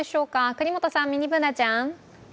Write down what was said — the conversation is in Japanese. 國本さん、ミニＢｏｏｎａちゃん。